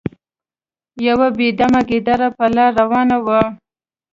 یو بې دمه ګیدړه په لاره روانه وه.